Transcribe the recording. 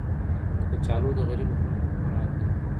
کچالو د غریبو خلکو خوراک دی